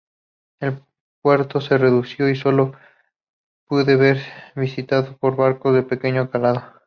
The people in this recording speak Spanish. El puerto es reducido y sólo puede ser visitado por barcos de pequeño calado.